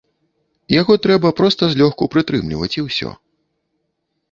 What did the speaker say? Яго трэба проста злёгку прытрымліваць і ўсё.